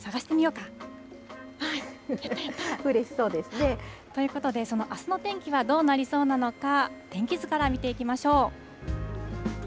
うれしそうですね。ということで、そのあすの天気はどうなりそうなのか、天気図から見ていきましょう。